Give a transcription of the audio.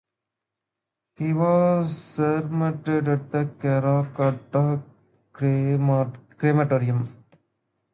He was cremated at the Karrakatta Crematorium.